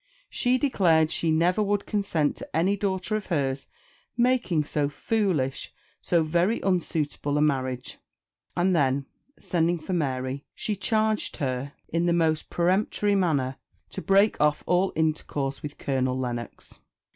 She declared she never would consent to any daughter of hers making so foolish, so very unsuitable a marriage. And then, sending for Mary, she charged her, in the most peremptory manner, to break of all intercourse with Colonel Lennox.